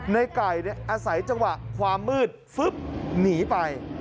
ในไก่อาศัยจังหวะความมืดฟึ๊บหนีไป